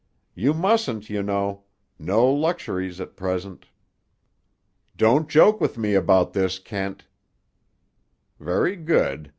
"You mustn't, you know. No luxuries, at present." "Don't joke with me about this, Kent." "Very good.